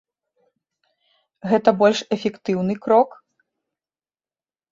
Гэта больш эфектыўны крок?